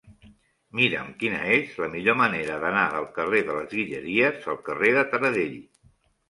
Mira'm quina és la millor manera d'anar del carrer de les Guilleries al carrer de Taradell.